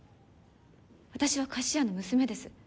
私は菓子屋の娘です。